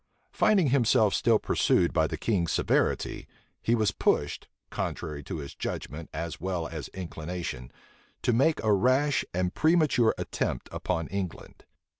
Finding himself still pursued by the king's severity, he was pushed, contrary to his judgment as well as inclination, to make a rash and premature attempt upon England.